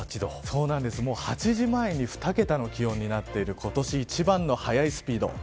８時前に２桁の気温になっている今年一番の速いスピード。